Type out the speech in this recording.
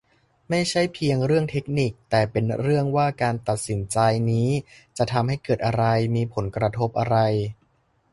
ไม่ใช่เพียงเรื่องเทคนิค แต่เป็นเรื่องว่าการตัดสินใจนี้จะทำให้เกิดอะไร มีผลกระทบอะไร